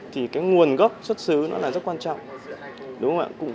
thì cái nguồn gốc xuất xứ nó là rất quan trọng